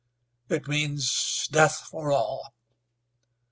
"It means death for all."